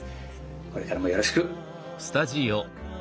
これからもよろしく。